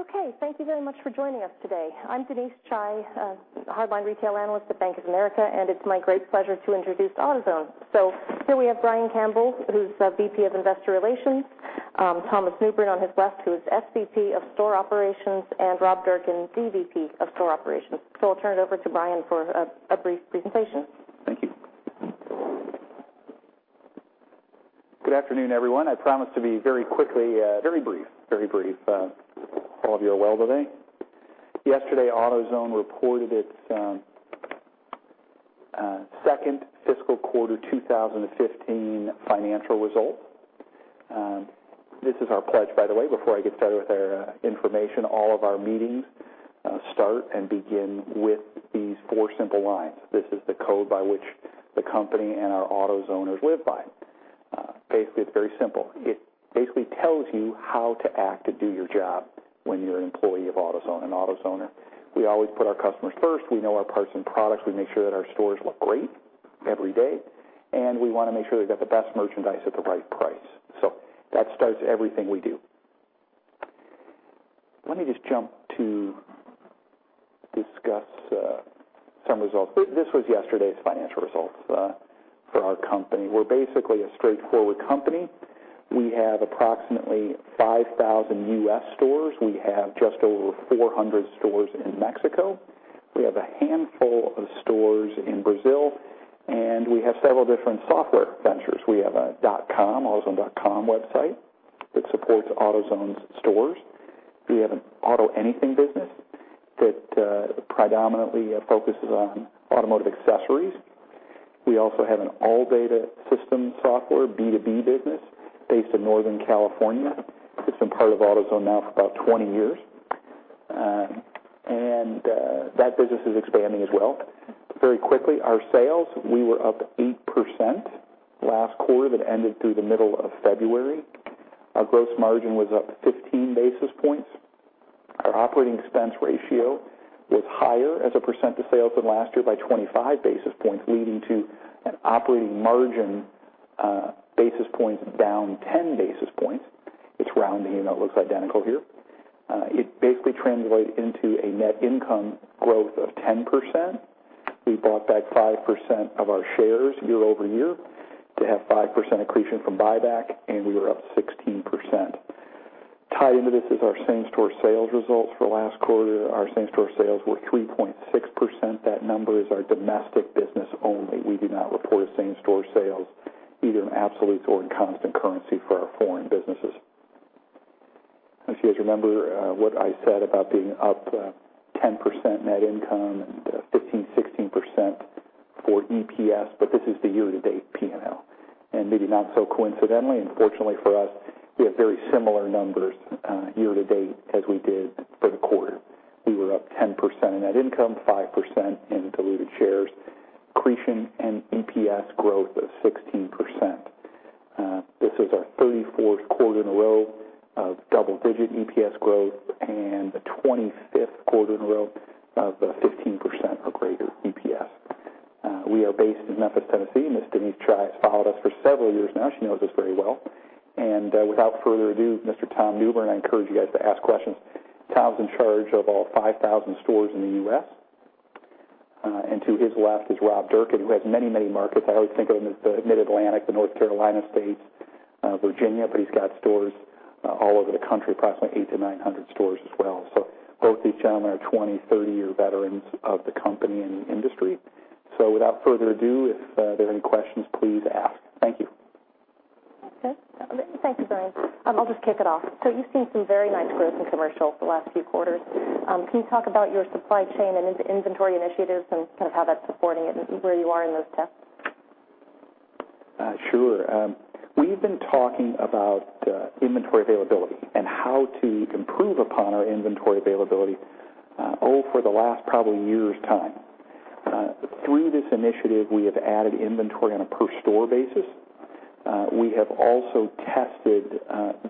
Okay. Thank you very much for joining us today. I'm Denise Chai, a hardline retail analyst at Bank of America, and it's my great pleasure to introduce AutoZone. Here we have Brian Campbell, who's VP of Investor Relations, Thomas Newbern on his left, who is SVP of Store Operations, and Robert Durkin, DVP of Store Operations. I'll turn it over to Brian for a brief presentation. Thank you. Good afternoon, everyone. I promise to be very quickly, very brief. All of you are well today. Yesterday, AutoZone reported its second fiscal quarter 2015 financial results. This is our pledge, by the way, before I get started with our information, all of our meetings start and begin with these four simple lines. This is the code by which the company and our AutoZoners live by. Basically, it's very simple. It basically tells you how to act to do your job when you're an employee of AutoZone, an AutoZoner. We always put our customers first. We know our parts and products. We make sure that our stores look great every day, and we want to make sure they got the best merchandise at the right price. That starts everything we do. Let me just jump to discuss some results. This was yesterday's financial results for our company. We're basically a straightforward company. We have approximately 5,000 U.S. stores. We have just over 400 stores in Mexico. We have a handful of stores in Brazil, and we have several different software ventures. We have a .com, autozone.com website that supports AutoZone's stores. We have an AutoAnything business that predominantly focuses on automotive accessories. We also have an ALLDATA system software B2B business based in Northern California. It's been part of AutoZone now for about 20 years. That business is expanding as well. Very quickly, our sales, we were up 8% last quarter that ended through the middle of February. Our gross margin was up 15 basis points. Our operating expense ratio was higher as a % of sales than last year by 25 basis points, leading to an operating margin basis points down 10 basis points. It's rounding, that looks identical here. It basically translated into a net income growth of 10%. We bought back 5% of our shares year-over-year to have 5% accretion from buyback, and we were up 16%. Tied into this is our same-store sales results for last quarter. Our same-store sales were 3.6%. That number is our domestic business only. We do not report a same-store sales, either in absolutes or in constant currency for our foreign businesses. If you guys remember what I said about being up 10% net income and 15, 16% for EPS, but this is the year-to-date P&L. Maybe not so coincidentally, and fortunately for us, we have very similar numbers year-to-date as we did for the quarter. We were up 10% in net income, 5% in diluted shares, accretion, and EPS growth of 16%. This is our 34th quarter in a row of double-digit EPS growth and the 25th quarter in a row of 15% or greater EPS. We are based in Memphis, Tennessee, and Ms. Denise Chai has followed us for several years now. She knows us very well. Without further ado, Mr. Tom Newbern, I encourage you guys to ask questions. Tom's in charge of all 5,000 stores in the U.S. To his left is Rob Durkin, who has many, many markets. I always think of him as the Mid-Atlantic, the North Carolina states, Virginia, but he's got stores all over the country, approximately 800-900 stores as well. Both these gentlemen are 20-30-year veterans of the company and the industry. Without further ado, if there are any questions, please ask. Thank you. Okay. Thank you, Brian. I'll just kick it off. You've seen some very nice growth in commercial the last few quarters. Can you talk about your supply chain and inventory initiatives and kind of how that's supporting it and where you are in those tests? Sure. We've been talking about inventory availability and how to improve upon our inventory availability, all for the last probably year's time. Through this initiative, we have added inventory on a per store basis. We have also tested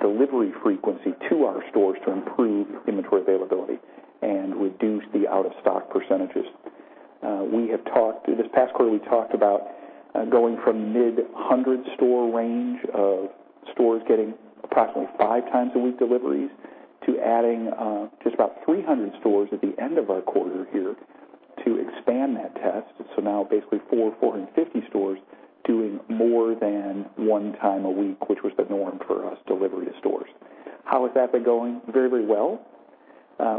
delivery frequency to our stores to improve inventory availability and reduce the out-of-stock %s. This past quarter, we talked about going from mid-100-store range of stores getting approximately five times a week deliveries to adding just about 300 stores at the end of our quarter here to expand that test. Now basically 400-450 stores doing more than one time a week, which was the norm for us, delivery to stores. How has that been going? Very, very well.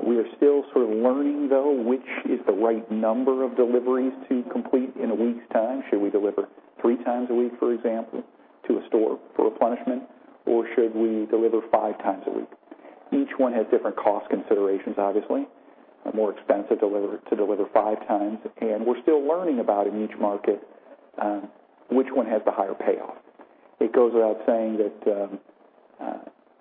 We are still sort of learning, though, which is the right number of deliveries to complete in a week's time. Should we deliver three times a week, for example, to a store for replenishment, or should we deliver five times a week? Each one has different cost considerations, obviously. A more expensive deliver to deliver five times, and we're still learning about in each market, which one has the higher payoff. It goes without saying that,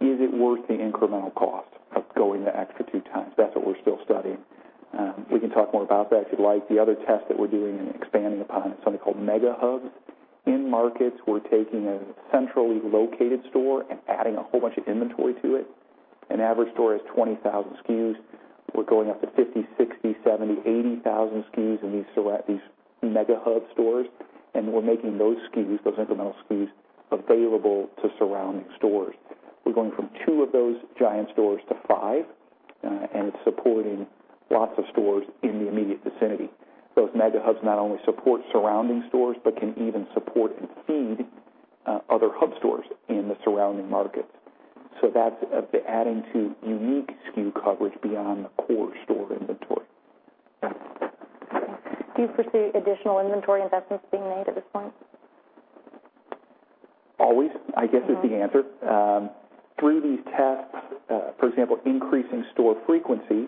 is it worth the incremental cost of going the extra two times? That's what we're still studying. We can talk more about that if you'd like. The other test that we're doing and expanding upon is something called Mega Hub. In markets, we're taking a centrally located store and adding a whole bunch of inventory to it. An average store has 20,000 SKUs. We're going up to 50,000, 60,000, 70,000, 80,000 SKUs in these Mega Hub stores, and we're making those incremental SKUs available to surrounding stores. We're going from two of those giant stores to five, and it's supporting lots of stores in the immediate vicinity. Those Mega Hubs not only support surrounding stores, but can even support and feed other hub stores in the surrounding markets. That's adding to unique SKU coverage beyond the core store inventory. Do you foresee additional inventory investments being made at this point? Always, I guess, is the answer. Through these tests, for example, increasing store frequency,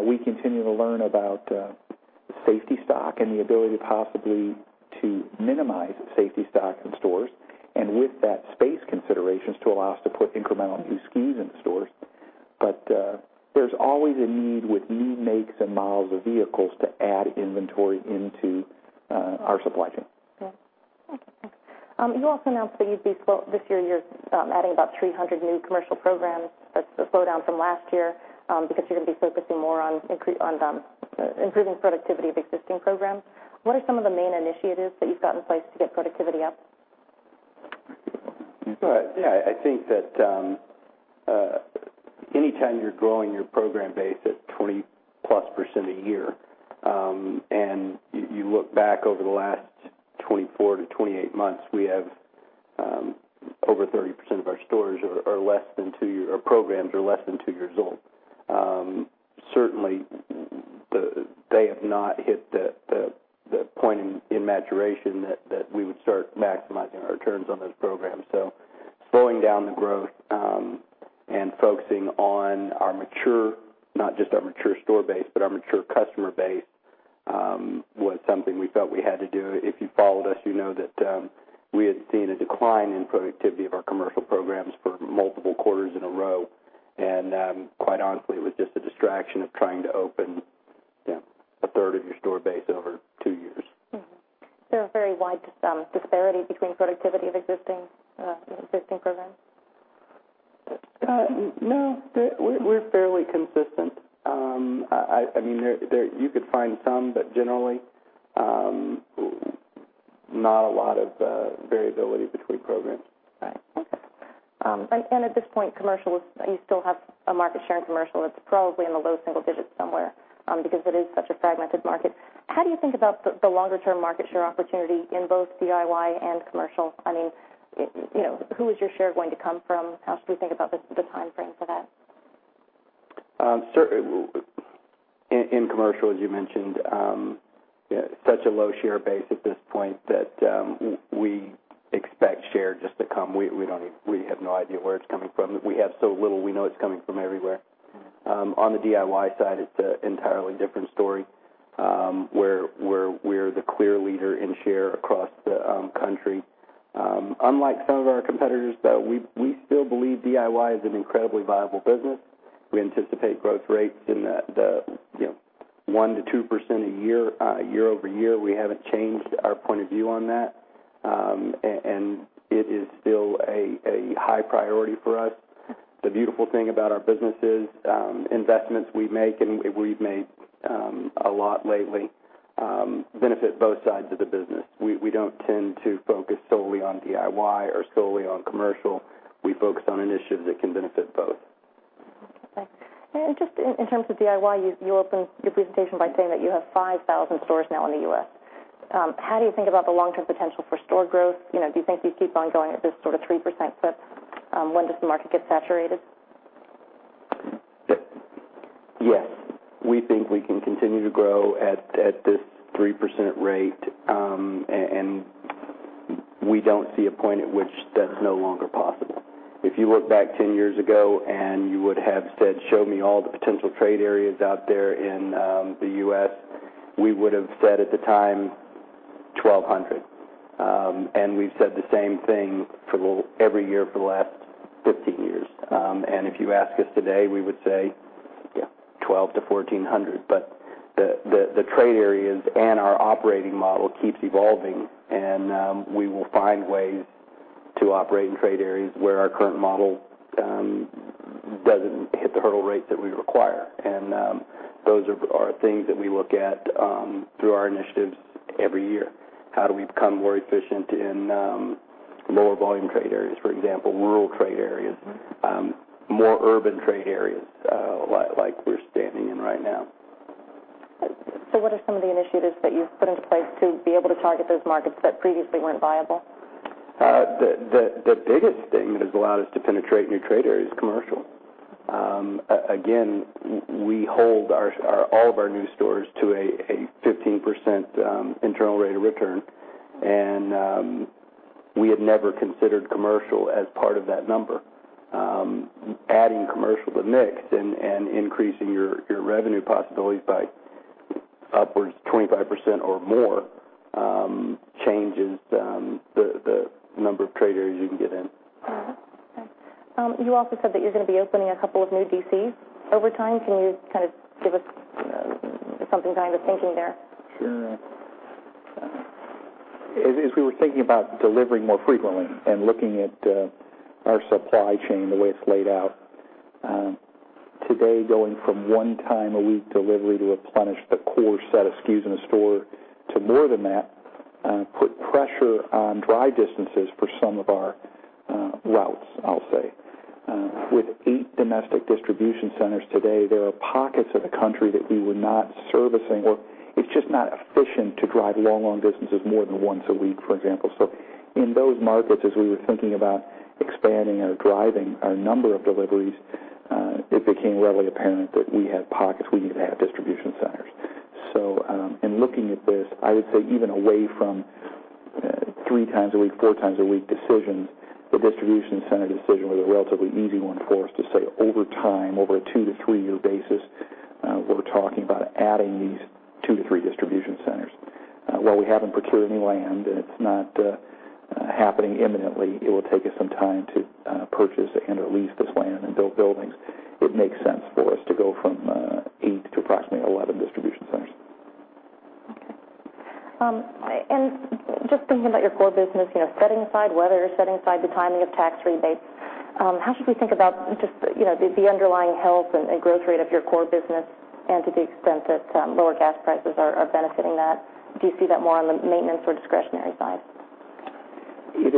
we continue to learn about safety stock and the ability possibly to minimize safety stock in stores, and with that, space considerations to allow us to put incremental new SKUs in the stores. There's always a need with new makes and models of vehicles to add inventory into our supply chain. Okay, thanks. You also announced that this year you're adding about 300 new commercial programs. That's a slowdown from last year because you're going to be focusing more on improving productivity of existing programs. What are some of the main initiatives that you've got in place to get productivity up? Yeah. I think that anytime you're growing your program base at 20-plus% a year, and you look back over the last 24-28 months, we have over 30% of our programs are less than two years old. Certainly, they have not hit the point in maturation that we would start maximizing our returns on those programs. Slowing down the growth and focusing on our mature, not just our mature store base, but our mature customer base, was something we felt we had to do. If you followed us, you know that we had seen a decline in productivity of our commercial programs for multiple quarters in a row, and quite honestly, it was just a distraction of trying to open a third of your store base over two years. Mm-hmm. A very wide disparity between productivity of existing programs? No. We're fairly consistent. You could find some, but generally, not a lot of variability between programs. Right. Okay. At this point, you still have a market share in commercial that's probably in the low single digits somewhere because it is such a fragmented market. How do you think about the longer-term market share opportunity in both DIY and commercial? Who is your share going to come from? How should we think about the timeframe for that? In commercial, as you mentioned, such a low share base at this point that we expect share just to come. We have no idea where it's coming from. We have so little. We know it's coming from everywhere. On the DIY side, it's an entirely different story, where we're the clear leader in share across the country. Unlike some of our competitors, though, we still believe DIY is an incredibly viable business. We anticipate growth rates in the 1%-2% a year-over-year. We haven't changed our point of view on that, and it is still a high priority for us. The beautiful thing about our business is investments we make, and we've made a lot lately, benefit both sides of the business. We don't tend to focus solely on DIY or solely on commercial. We focus on initiatives that can benefit both. Okay. Thanks. Just in terms of DIY, you opened your presentation by saying that you have 5,000 stores now in the U.S. How do you think about the long-term potential for store growth? Do you think you keep on going at this sort of 3% clip? When does the market get saturated? Yes. We think we can continue to grow at this 3% rate, we don't see a point at which that's no longer possible. If you look back 10 years ago and you would have said, "Show me all the potential trade areas out there in the U.S.," we would have said at the time, "1,200." We've said the same thing every year for the last 15 years. If you ask us today, we would say 1,200 to 1,400. The trade areas and our operating model keeps evolving, we will find ways to operate in trade areas where our current model doesn't hit the hurdle rates that we require. Those are things that we look at through our initiatives every year. How do we become more efficient in lower volume trade areas, for example, rural trade areas, more urban trade areas like we're standing in right now. What are some of the initiatives that you've put into place to be able to target those markets that previously weren't viable? The biggest thing that has allowed us to penetrate new trade areas is commercial. Again, we hold all of our new stores to a 15% internal rate of return, and we had never considered commercial as part of that number. Adding commercial to mix and increasing your revenue possibilities by upwards of 25% or more changes the number of trade areas you can get in. Okay. You also said that you're going to be opening a couple of new DCs over time. Can you kind of give us something guiding the thinking there? As we were thinking about delivering more frequently and looking at our supply chain, the way it's laid out today, going from one time a week delivery to replenish the core set of SKUs in a store to more than that put pressure on drive distances for some of our routes, I'll say. With eight domestic distribution centers today, there are pockets of the country that we were not servicing, or it's just not efficient to drive long, long distances more than once a week, for example. In those markets, as we were thinking about expanding our driving, our number of deliveries, it became readily apparent that we had pockets we needed to have distribution centers. In looking at this, I would say even away from three times a week, four times a week decisions, the distribution center decision was a relatively easy one for us to say, over time, over a two to three-year basis, we are talking about adding these two to three distribution centers. While we haven't procured any land, and it's not happening imminently, it will take us some time to purchase and/or lease this land and build buildings. It makes sense for us to go from 8 to approximately 11 distribution centers. Okay. Just thinking about your core business, setting aside weather, setting aside the timing of tax rebates, how should we think about just the underlying health and growth rate of your core business and to the extent that lower gas prices are benefiting that? Do you see that more on the maintenance or discretionary side?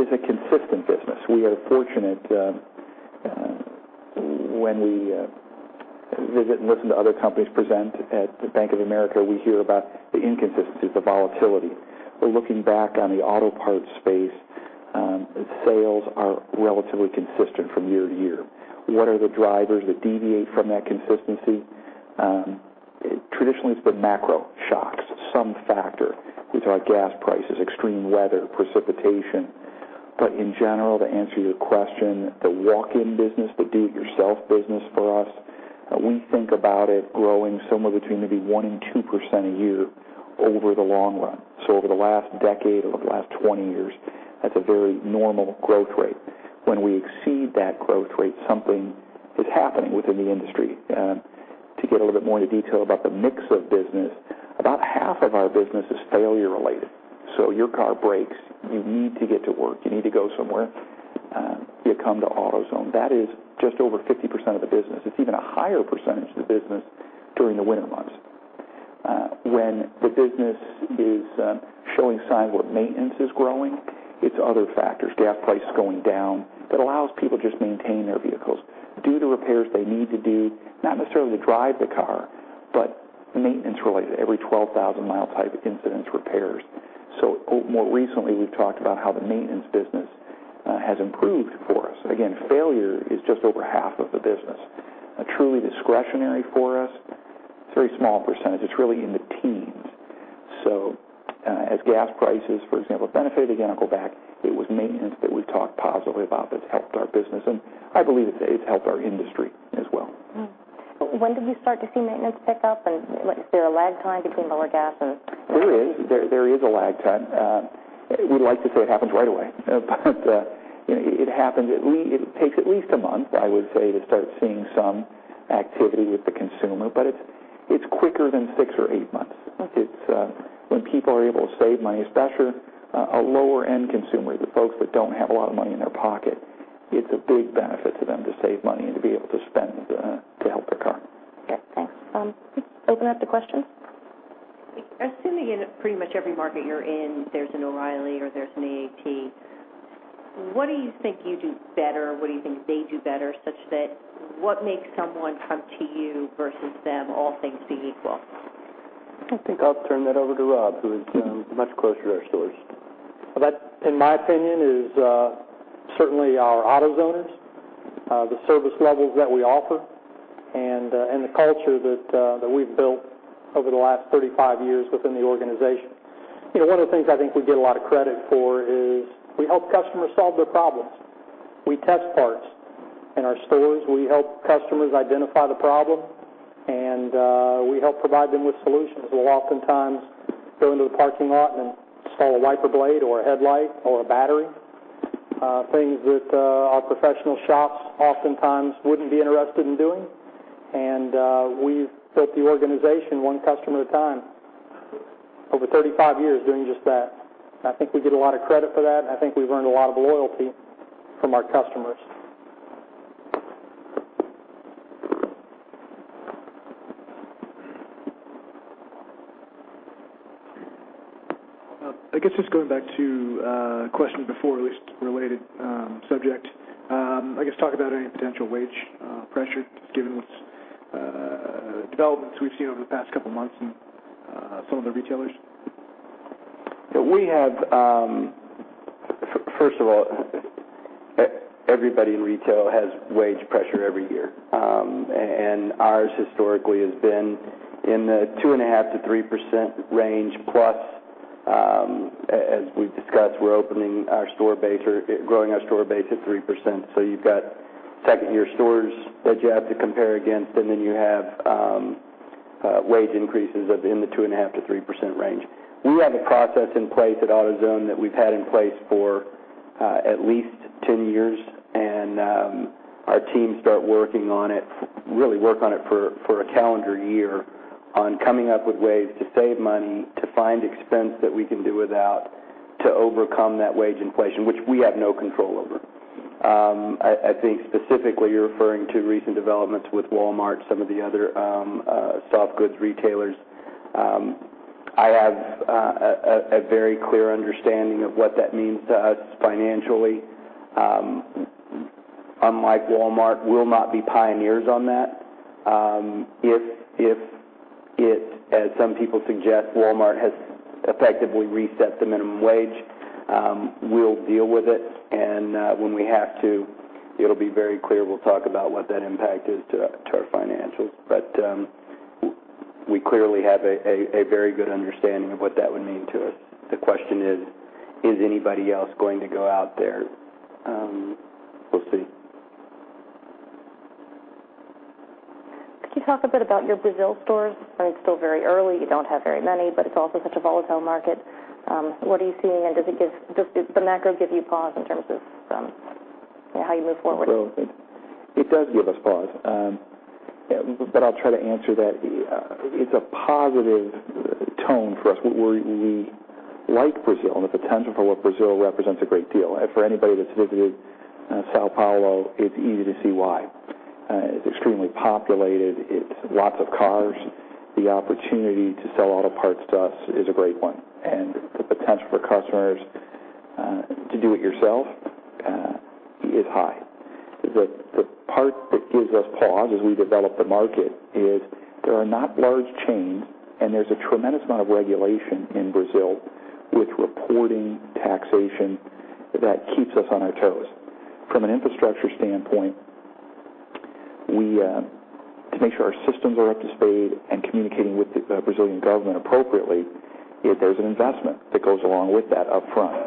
It is a consistent business. We are fortunate. When we visit and listen to other companies present at Bank of America, we hear about the inconsistencies, the volatility. Looking back on the auto parts space, sales are relatively consistent from year to year. What are the drivers that deviate from that consistency? Traditionally, it's been macro shocks, some factor. These are gas prices, extreme weather, precipitation. In general, to answer your question, the walk-in business, the do-it-yourself business for us, we think about it growing somewhere between maybe 1% and 2% a year over the long run. Over the last decade or over the last 20 years, that's a very normal growth rate. When we exceed that growth rate, something is happening within the industry. To get a little bit more into detail about the mix of business, about half of our business is failure related. Your car breaks, you need to get to work. You need to go somewhere. You come to AutoZone. That is just over 50% of the business. It's even a higher percentage of the business during the winter months. When the business is showing signs where maintenance is growing, it's other factors, gas prices going down, that allows people just maintain their vehicles, do the repairs they need to do, not necessarily to drive the car, but maintenance related, every 12,000 mile type incidents repairs. More recently, we've talked about how the maintenance business has improved for us. Again, failure is just over half of the business. Truly discretionary for us, it's a very small percentage. It's really in the teens. As gas prices, for example, benefited again, it was maintenance that we've talked positively about that's helped our business, and I believe it's helped our industry as well. When did you start to see maintenance pick up, and is there a lag time between lower gas and maintenance? There is a lag time. We like to say it happens right away, but it takes at least a month to start seeing some activity with the consumer, but it's quicker than six or eight months. When people are able to save money, especially a lower-end consumer, the folks that don't have a lot of money in their pocket, it's a big benefit to them to save money and to be able to spend to help their car. Okay, thanks. Open up to questions. Assuming in pretty much every market you're in, there's an O'Reilly or there's an AAP, what do you think you do better? What do you think they do better, such that what makes someone come to you versus them, all things being equal? I think I'll turn that over to Rob, who is much closer to our stores. That, in my opinion, is certainly our AutoZoners, the service levels that we offer, and the culture that we've built over the last 35 years within the organization. One of the things I think we get a lot of credit for is we help customers solve their problems. We test parts in our stores. We help customers identify the problem, and we help provide them with solutions. We'll oftentimes go into the parking lot and install a wiper blade or a headlight or a battery. Things that our professional shops oftentimes wouldn't be interested in doing, and we've built the organization one customer at a time over 35 years doing just that. I think we get a lot of credit for that, and I think we've earned a lot of loyalty from our customers. I guess just going back to a question before, at least related subject. I guess talk about any potential wage pressure given what developments we've seen over the past couple of months in some of the retailers. First of all, everybody in retail has wage pressure every year. Ours historically has been in the 2.5%-3% range, plus, as we've discussed, we're opening our store base or growing our store base at 3%. You've got second-year stores that you have to compare against, and then you have wage increases in the 2.5%-3% range. We have a process in place at AutoZone that we've had in place for at least 10 years, Our teams start working on it, really work on it for a calendar year on coming up with ways to save money, to find expense that we can do without to overcome that wage inflation, which we have no control over. I think specifically you're referring to recent developments with Walmart, some of the other soft goods retailers. I have a very clear understanding of what that means to us financially. Unlike Walmart, we'll not be pioneers on that. If, as some people suggest, Walmart has effectively reset the minimum wage, we'll deal with it, When we have to, it'll be very clear. We'll talk about what that impact is to our financials. We clearly have a very good understanding of what that would mean to us. The question is anybody else going to go out there? We'll see. Could you talk a bit about your Brazil stores? I know it's still very early, you don't have very many, It's also such a volatile market. What are you seeing, Does the macro give you pause in terms of how you move forward? It does give us pause. I'll try to answer that. It's a positive tone for us. We like Brazil, The potential for what Brazil represents a great deal. For anybody that's visited São Paulo, it's easy to see why. It's extremely populated. It's lots of cars. The opportunity to sell auto parts to us is a great one, and the potential for customers to do it yourself is high. The part that gives us pause as we develop the market is there are not large chains, There's a tremendous amount of regulation in Brazil with reporting, taxation, that keeps us on our toes. From an infrastructure standpoint, to make sure our systems are up to speed and communicating with the Brazilian government appropriately, there's an investment that goes along with that up front.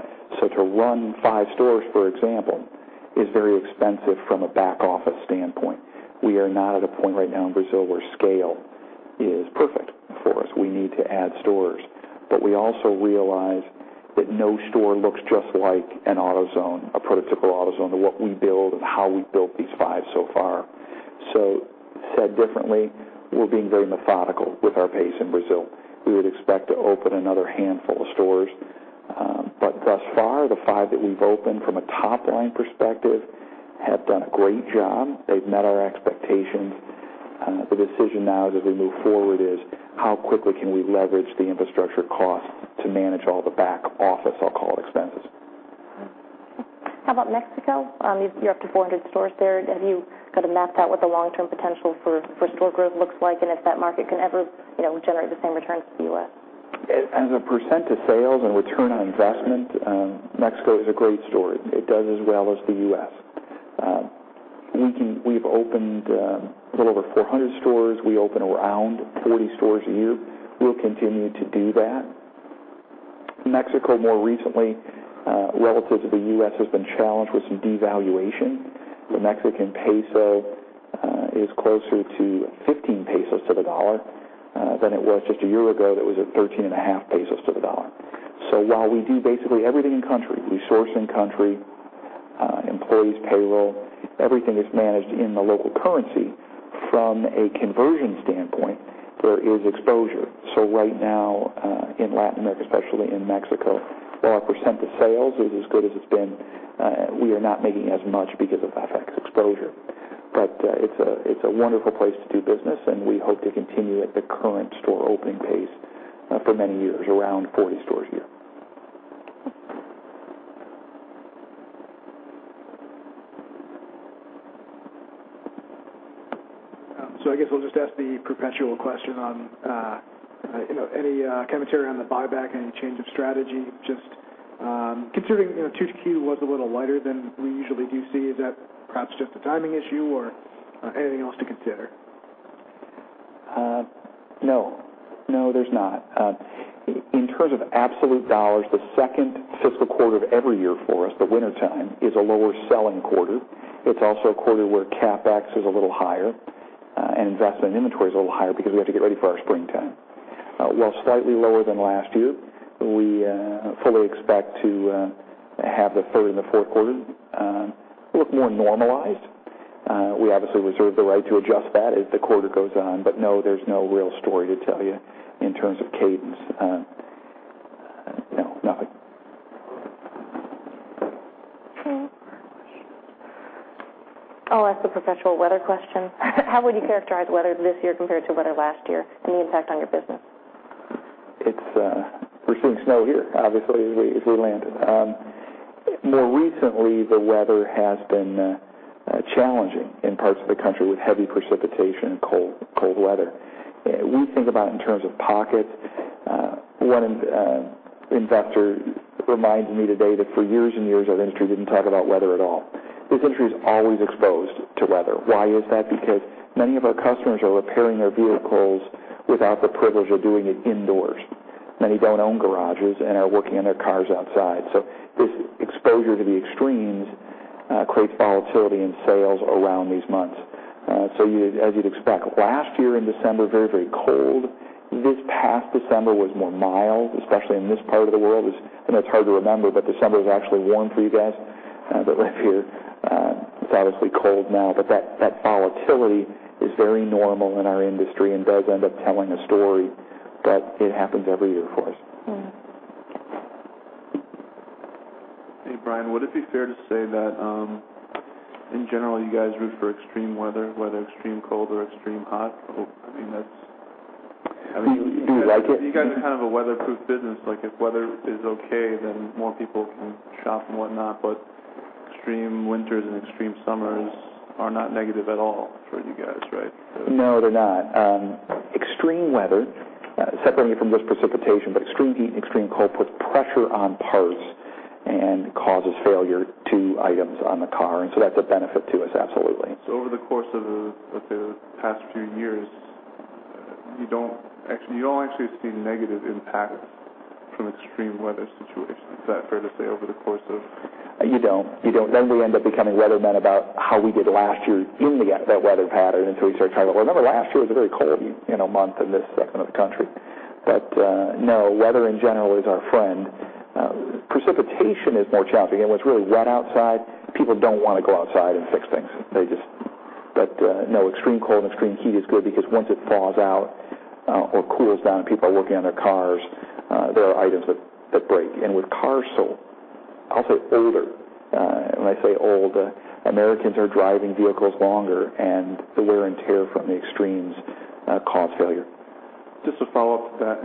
To run five stores, for example, is very expensive from a back office standpoint. We are not at a point right now in Brazil where scale is perfect for us. We need to add stores. We also realize that no store looks just like an AutoZone, a prototypical AutoZone, to what we build and how we've built these five so far. Said differently, we're being very methodical with our pace in Brazil. We would expect to open another handful of stores. Thus far, the five that we've opened from a top-line perspective have done a great job. They've met our expectations. The decision now as we move forward is how quickly can we leverage the infrastructure costs to manage all the back office, I'll call it, expenses. How about Mexico? You're up to 400 stores there. Have you kind of mapped out what the long-term potential for store growth looks like and if that market can ever generate the same returns as the U.S.? As a percent of sales and return on investment, Mexico is a great story. It does as well as the U.S. We've opened a little over 400 stores. We open around 40 stores a year. We'll continue to do that. Mexico, more recently, relative to the U.S., has been challenged with some devaluation. The Mexican peso is closer to 15 pesos to the dollar than it was just a year ago that was at 13 and a half pesos to the dollar. While we do basically everything in country, we source in country, employees, payroll, everything is managed in the local currency. From a conversion standpoint, there is exposure. Right now, in Latin America, especially in Mexico, while our percent of sales is as good as it's been, we are not making as much because of FX exposure. It's a wonderful place to do business, and we hope to continue at the current store opening pace for many years, around 40 stores a year. I guess I'll just ask the perpetual question on any commentary on the buyback, any change of strategy, just considering 2Q was a little lighter than we usually do see. Is that perhaps just a timing issue or anything else to consider? No. No, there's not. In terms of absolute dollars, the second fiscal quarter of every year for us, the wintertime, is a lower selling quarter. It's also a quarter where CapEx is a little higher, and investment inventory is a little higher because we have to get ready for our springtime. While slightly lower than last year, we fully expect to have the third and the fourth quarter look more normalized. We obviously reserve the right to adjust that as the quarter goes on. No, there's no real story to tell you in terms of cadence. No, nothing. Okay. I'll ask the perpetual weather question. How would you characterize weather this year compared to weather last year and the impact on your business? We're seeing snow here, obviously, as we land. More recently, the weather has been challenging in parts of the country with heavy precipitation and cold weather. We think about in terms of pockets. One investor reminded me today that for years and years, our industry didn't talk about weather at all. This industry is always exposed to weather. Why is that? Because many of our customers are repairing their vehicles without the privilege of doing it indoors. Many don't own garages and are working on their cars outside. This exposure to the extremes creates volatility in sales around these months. As you'd expect, last year in December, very cold. This past December was more mild, especially in this part of the world. I know it's hard to remember, but December was actually warm for you guys that live here. It's obviously cold now, but that volatility is very normal in our industry and does end up telling a story, but it happens every year for us. Hey, Brian, would it be fair to say that, in general, you guys root for extreme weather, whether extreme cold or extreme hot? I mean. We do like it. You guys are kind of a weather-proof business, like if weather is okay, then more people can shop and whatnot, but extreme winters and extreme summers are not negative at all for you guys, right? No, they're not. Extreme weather, separating from just precipitation, but extreme heat and extreme cold puts pressure on parts and causes failure to items on the car. That's a benefit to us, absolutely. Over the course of the past few years, you don't actually see negative impacts from extreme weather situations. Is that fair to say over the course of- You don't. We end up becoming weathermen about how we did last year in that weather pattern until we start talking about, "Well, remember last year was a very cold month in this section of the country." No, weather in general is our friend. Precipitation is more choppy. When it's really wet outside, people don't want to go outside and fix things. No, extreme cold and extreme heat is good because once it thaws out or cools down and people are working on their cars, there are items that break. With cars, also older. When I say old, Americans are driving vehicles longer and the wear and tear from the extremes cause failure. Just to follow up to that,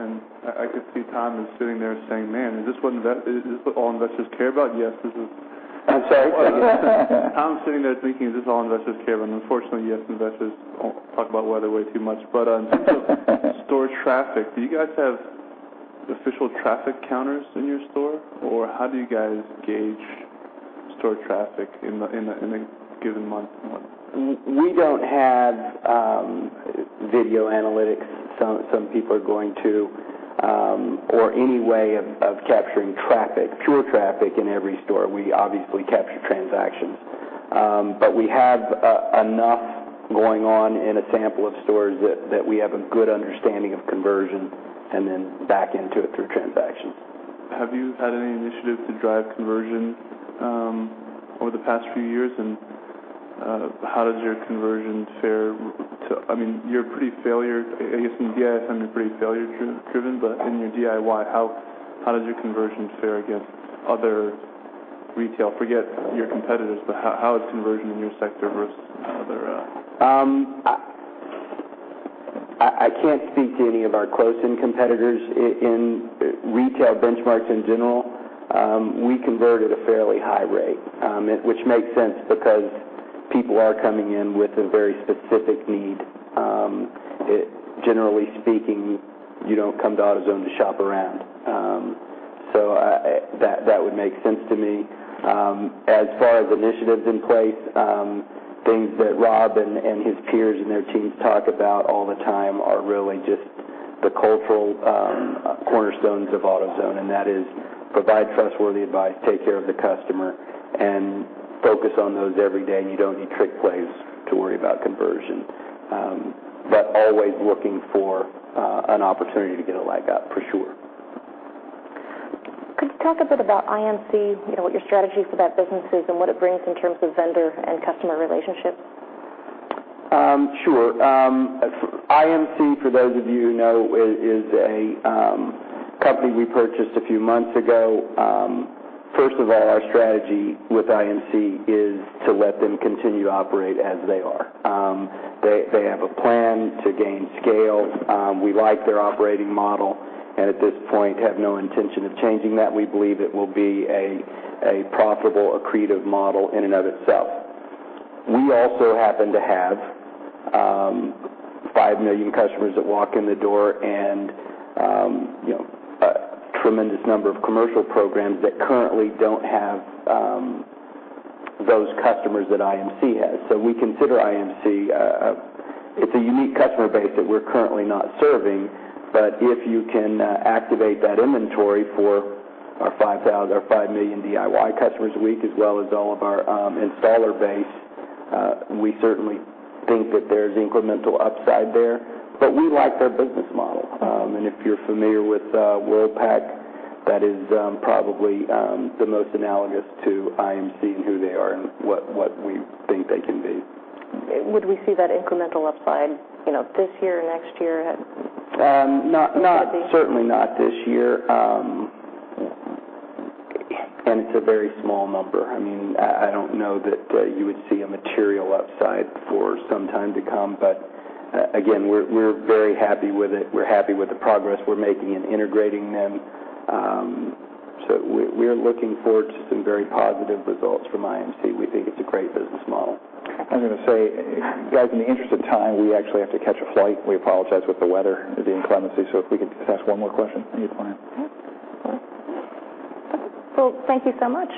I could see Tom is sitting there saying, "Man, is this what all investors care about?" Yes, this is- I'm sorry? Tom's sitting there thinking, "Is this all investors care about?" Unfortunately, yes, investors talk about weather way too much. In terms of store traffic, do you guys have official traffic counters in your store, or how do you guys gauge store traffic in a given month? We don't have video analytics, or any way of capturing traffic, pure traffic, in every store. We obviously capture transactions. We have enough going on in a sample of stores that we have a good understanding of conversion and then back into it through transactions. Have you had any initiative to drive conversion over the past few years, how does your conversion fare? I guess in DIFM, you're pretty failure-driven, in your DIY, how does your conversion fare against other retail? Forget your competitors, how is conversion in your sector versus other I can't speak to any of our close-in competitors in retail benchmarks in general. We convert at a fairly high rate, which makes sense because people are coming in with a very specific need. Generally speaking, you don't come to AutoZone to shop around. That would make sense to me. As far as initiatives in place, things that Rob and his peers and their teams talk about all the time are really just the cultural cornerstones of AutoZone, and that is provide trustworthy advice, take care of the customer, and focus on those every day, and you don't need trick plays to worry about conversion. Always looking for an opportunity to get a leg up, for sure. Could you talk a bit about IMC, what your strategies for that business is and what it brings in terms of vendor and customer relationships? Sure. IMC, for those of you who know, is a company we purchased a few months ago. First of all, our strategy with IMC is to let them continue to operate as they are. They have a plan to gain scale. We like their operating model, and at this point, have no intention of changing that. We believe it will be a profitable, accretive model in and of itself. We also happen to have 5 million customers that walk in the door and a tremendous number of commercial programs that currently don't have those customers that IMC has. We consider IMC a unique customer base that we're currently not serving. If you can activate that inventory for our 5 million DIY customers a week as well as all of our installer base, we certainly think that there's incremental upside there. We like their business model. If you're familiar with Worldpac, that is probably the most analogous to IMC and who they are and what we think they can be. Would we see that incremental upside this year or next year? Certainly not this year. It's a very small number. I don't know that you would see a material upside for some time to come. Again, we're very happy with it. We're happy with the progress we're making in integrating them. We're looking forward to some very positive results from IMC. We think it's a great business model. I'm going to say, guys, in the interest of time, we actually have to catch a flight. We apologize with the weather, the inclemency. If we could just ask one more question. Any client? Okay. Well, thank you so much.